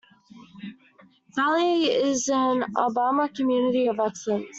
Valley is an "Alabama Community of Excellence".